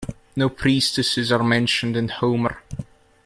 No priestesses are mentioned in Homer.